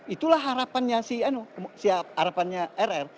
itulah harapannya si rr